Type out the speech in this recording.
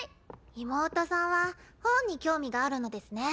妹さんは本に興味があるのですね。